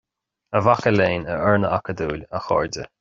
A mhaca léinn, a fhoirne acadúil, a chairde,